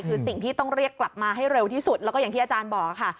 คือสิ่งที่ต้องเรียกกลับมาให้เร็วที่สุดแล้วก็อย่างที่อาจารย์บอกค่ะ